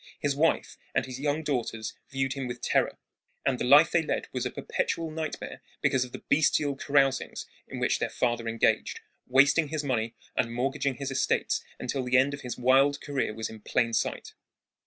His wife and his young daughters viewed him with terror, and the life they led was a perpetual nightmare because of the bestial carousings in which their father engaged, wasting his money and mortgaging his estates until the end of his wild career was in plain sight.